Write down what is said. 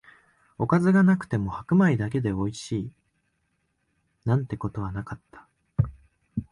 おかずがなくても白米だけでおいしい、なんてことはなかった